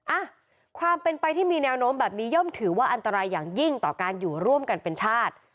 อ่ะความเป็นไปที่มีแนวโน้มแบบนี้ย่อมถือว่าอันตรายอย่างยิ่งต่อการอยู่ร่วมกันเป็นชาติ